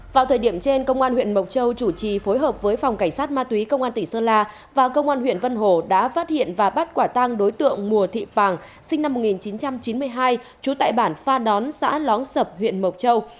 vào thời điểm trên công an huyện mộc châu chủ trì phối hợp với phòng cảnh sát ma túy công an tỉnh sơn la và công an huyện vân hồ đã phát hiện và bắt quả tang đối tượng mùa thị pàng sinh năm một nghìn chín trăm chín mươi hai trú tại bản pha đón xã lóng sập huyện mộc châu